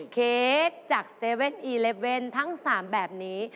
เค้กจาก๗๑๑ทั้ง๓แบบนี้